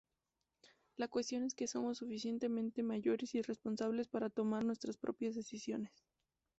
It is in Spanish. La cuestión es que somos suficientemente mayores y responsables para tomar nuestras propias decisiones".